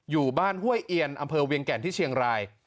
อยู่บ้านห้วยเอียนอำเภอเวียงแก่นที่เชียงราย